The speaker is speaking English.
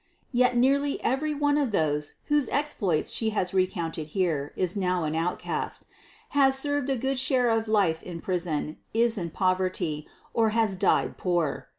Yet nearly every one of those whose exploits she has recounted here is now an outcast, has served a good share of life in prison, is in poverty, or has died poor.